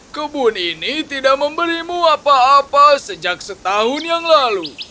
kebun ini tidak memberimu apa apa sejak setahun yang lalu